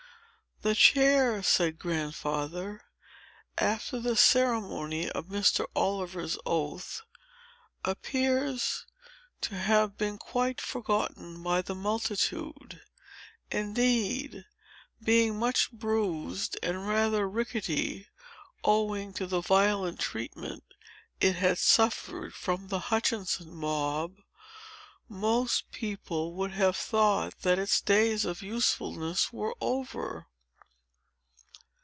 "The chair," said Grandfather, "after the ceremony of Mr. Oliver's oath, appears to have been quite forgotten by the multitude. Indeed, being much bruised and rather rickety, owing to the violent treatment it had suffered from the Hutchinson mob, most people would have thought that its days of usefulness were over.